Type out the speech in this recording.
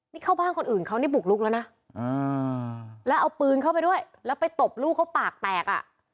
นี่เข้าบ้านคนอื่นเขานี่บุกลุกแล้วนะแล้วเอาปืนเข้าไปด้วยแล้วไปตบลูกเขาปากแตกอ่ะ